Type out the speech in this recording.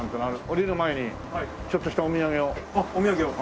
降りる前にちょっとしたお土産を。